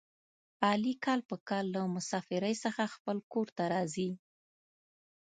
علي کال په کال له مسافرۍ څخه خپل کورته راځي.